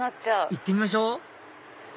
行ってみましょう！